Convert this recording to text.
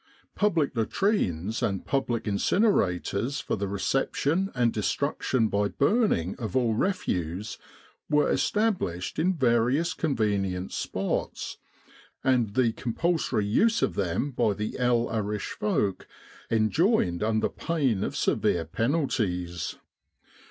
Public latrines and public incinerators for the reception and destruction by burning of all refuse, were established in various convenient spots, and the compulsory use of them by the El Arish folk enjoined under pain of severe penalties.